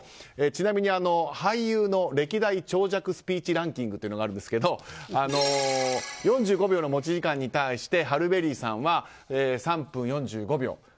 ちなみに俳優の歴代長尺スピーチランキングがあるんですが４５秒の持ち時間に対してハル・ベリーさんは３分４５秒。